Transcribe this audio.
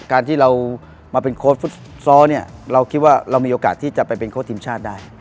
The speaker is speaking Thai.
การที่เรามาเป็นโค้ชฟุตซอลเนี่ยเราคิดว่าเรามีโอกาสที่จะไปเป็นโค้ดทีมชาติได้